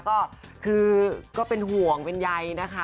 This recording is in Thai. ก็คือก็เป็นห่วงเป็นใยนะคะ